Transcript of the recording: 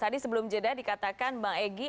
tadi sebelum jeda dikatakan bang egy